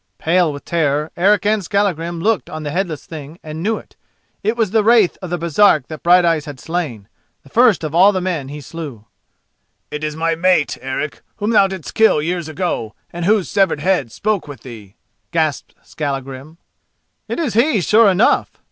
Pale with terror, Eric and Skallagrim looked on the headless thing and knew it. It was the wraith of the Baresark that Brighteyes had slain—the first of all the men he slew. "It is my mate, Eric, whom thou didst kill years ago and whose severed head spoke with thee!" gasped Skallagrim. "It is he, sure enough!"